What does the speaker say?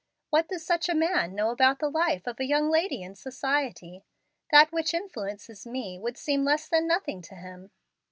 What does such a man know about the life of a young lady in society? That which influences me would seem less than nothing to him."